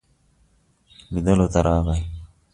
لیدلو ته راغی.